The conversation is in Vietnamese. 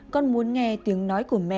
con muốn nghe tiếng nói của mẹ